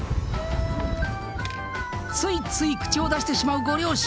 ついつい口を出してしまうご両親。